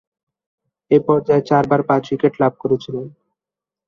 এ পর্যায়ে চারবার পাঁচ-উইকেট লাভ করেছিলেন।